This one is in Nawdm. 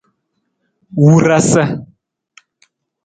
Wurasa.